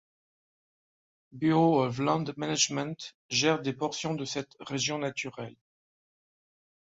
Bureau of Land Management gère des portions de cette région naturelle.